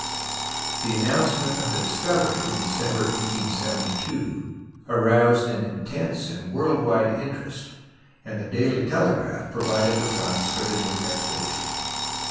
The announcement of the discovery (in December 1872) aroused an intense and world wide interest, and The Daily T'elegraph provided the funds for the new expedition.